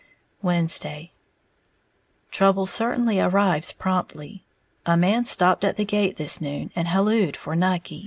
Wednesday. Trouble certainly arrives promptly. A man stopped at the gate this noon and hallooed for Nucky.